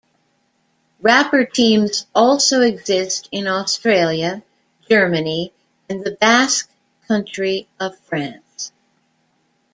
Rapper teams also exist in Australia, Germany and the Basque Country of France.